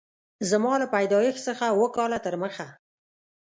زما له پیدایښت څخه اووه کاله تر مخه